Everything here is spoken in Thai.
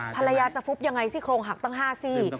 ภรรยาจะฟุบยังไงซี่โครงหักตั้ง๕ซี่